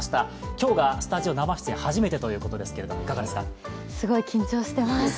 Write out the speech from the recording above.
今日がスタジオ生出演初めてということですが、いかがですか？